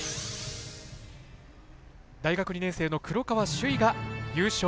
大学２年生の黒川紫唯が優勝。